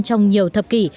trong nhiều thập kỷ